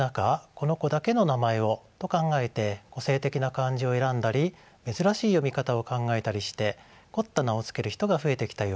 この子だけの名前をと考えて個性的な漢字を選んだり珍しい読み方を考えたりして凝った名を付ける人が増えてきたようです。